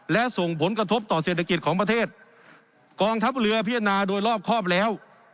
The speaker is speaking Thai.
และส่งผลกระทบต่อเศรษฐกิจของประเทศกองทัพเรือพิจารณาโดยรอบครอบแล้ว